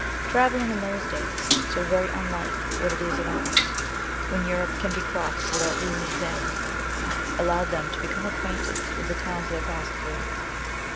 Travelling in those days so very unlike what it is in ours, when Europe can be crossed without being examined allowed them to become acquainted with the towns they passed through.